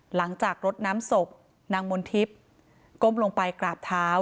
รดน้ำศพนางมนทิพย์ก้มลงไปกราบเท้า